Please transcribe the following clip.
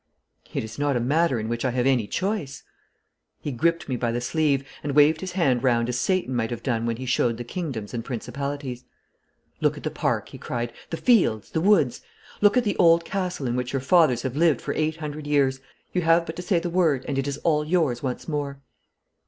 'It is not a matter in which I have any choice.' He gripped me by the sleeve, and waved his hand round as Satan may have done when he showed the kingdoms and principalities. 'Look at the park,' he cried, 'the fields, the woods. Look at the old castle in which your fathers have lived for eight hundred years. You have but to say the word and it is all yours once more.'